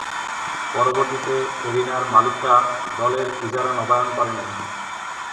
পরবর্তীতে এরিনার মালিকরা দলের ইজারা নবায়ন করেনি।